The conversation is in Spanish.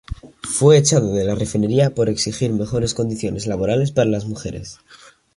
Fue echada de la refinería por exigir mejores condiciones laborales para las mujeres.